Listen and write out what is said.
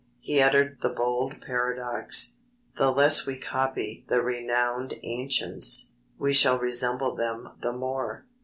He uttered the bold paradox: "The less we copy the renowned ancients, we shall resemble them the more."